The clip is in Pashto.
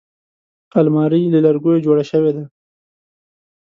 الماري له لرګیو جوړه شوې ده